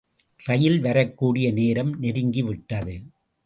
ரயில் வரக்கூடிய நேரம் நெருங்கி விட்டது.